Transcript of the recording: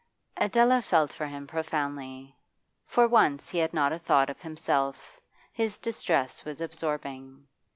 Adela felt for him profoundly; for once he had not a thought of himself, his distress was absorbing.